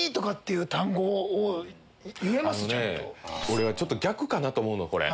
俺はちょっと逆かなと思うのこれ。